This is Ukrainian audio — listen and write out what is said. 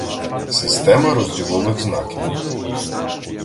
Система розділових знаків